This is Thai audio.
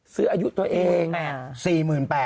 ซื้ออายุตัวเอง๔๘๐๐